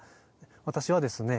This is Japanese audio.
私はですね